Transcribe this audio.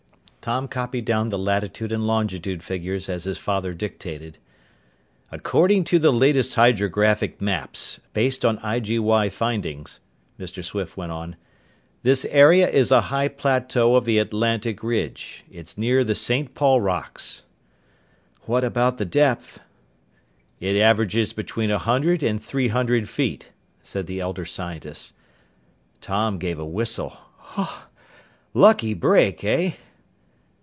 Tom copied down the latitude and longitude figures as his father dictated. "According to the latest hydrographic maps, based on IGY findings," Mr. Swift went on, "this area is a high plateau of the Atlantic Ridge it's near the St. Paul Rocks." "What about the depth?" "It averages between a hundred and three hundred feet," said the elder scientist. Tom gave a whistle. "Lucky break, eh?"